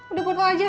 udah buat lo aja